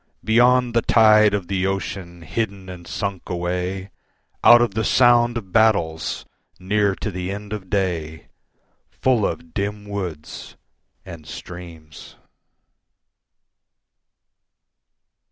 Beyond the tide of the ocean, hidden and sunk away, Out of the sound of battles, near to the end of day, Full of dim woods and streams.